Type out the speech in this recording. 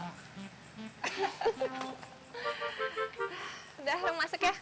udah rum masuk ya